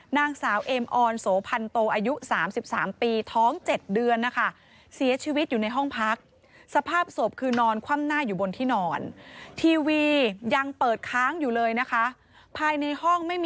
นางสาวเอมออนโสพันโตอายุ๓๓ปีท้อง๗เดือนนะคะ